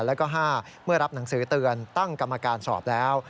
แล้วก็๕เมื่อรับหนังสือเตือนตั้งกรรมการสอบแล้ว